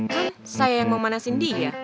kan saya yang mau manasin dia